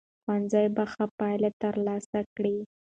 ښوونځي به ښه پایلې ترلاسه کړې وي.